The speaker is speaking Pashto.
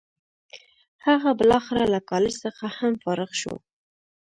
هغه بالاخره له کالج څخه هم فارغ شو.